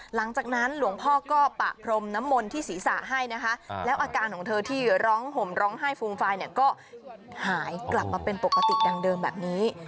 หลังจากนั้นหลวงพ่อก็ปะพรมน้ำมนต์ที่ศีรษะให้นะคะแล้วอาการของเธอที่ร้องห่มร้องไห้ฟูมฟายเนี่ยก็หายกลับมาเป็นปกติดังเดิมแบบนี้